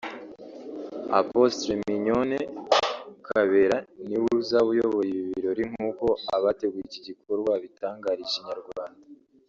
Apostle Mignonne Kabera ni we uzaba uyoboye ibi birori nk'uko abateguye iki gikorwa babitangarije Inyarwanda